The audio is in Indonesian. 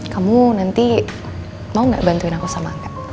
kamu nanti mau gak bantuin aku sama angket